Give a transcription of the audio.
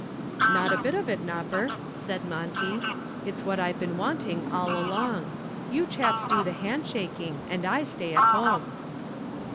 "Not a bit of it, Nopper," said Monty. "It's what I've been wanting all along. You chaps do the handshaking and I stay at home."